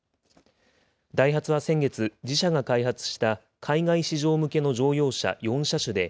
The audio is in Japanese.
ダイハツは先月、自社が開発した海外市場向けの乗用車４車種で、